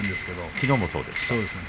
きのうもそうでした。